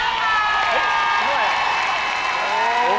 เก่งมาก